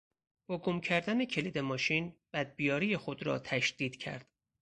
با گم کردن کلید ماشین، بد بیاری خود را تشدید کرد.